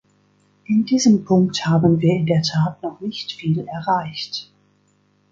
In diesem Punkt haben wir in der Tat noch nicht viel erreicht.